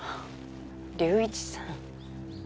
隆一さん。